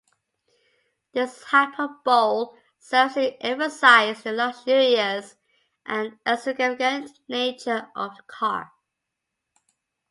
This hyperbole serves to emphasize the luxurious and extravagant nature of the car.